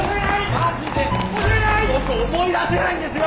マジで僕思い出せないんですよ！